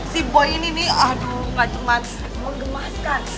si boy ini nih aduh gak cuma mengemaskan